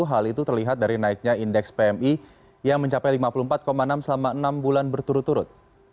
hal itu terlihat dari naiknya indeks pmi yang mencapai lima puluh empat enam selama enam bulan berturut turut